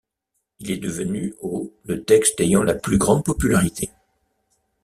Il est devenu au le texte ayant la plus grande popularité.